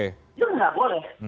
itu nggak boleh